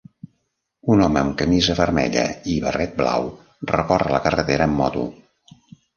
Un home amb camisa vermella i barret blau recorre la carretera en moto